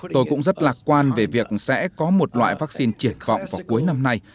tôi cũng rất lạc quan về việc sẽ có một loại vaccine triển vọng vào cuối năm nay